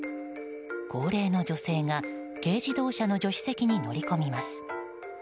高齢の女性が軽自動車の助手席に乗り込みます。